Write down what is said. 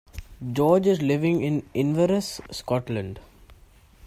George is living in Inverness, Scotland.